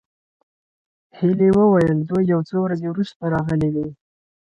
هيلې وویل دوی یو څو ورځې وروسته راغلې وې